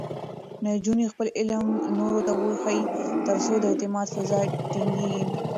نجونې خپل علم نورو ته وښيي، ترڅو د اعتماد فضا ټینګېږي.